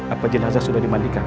apa jenazah sudah dimandikan